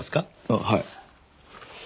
ああはい。